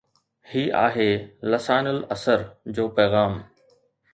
هي آهي ”لسان العصر“ جو پيغام